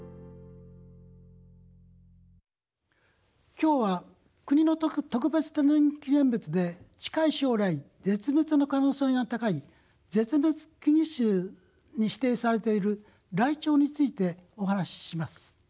今日は国の特別天然記念物で近い将来絶滅の可能性が高い絶滅危惧種に指定されているライチョウについてお話しします。